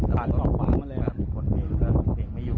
ผ่านจอกฝั่งมาเลยครับ